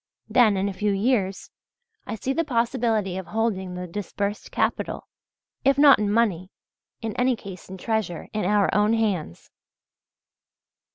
Then in a few years I see the possibility of holding the disbursed capital, if not in money, in any case in treasure, in our own hands.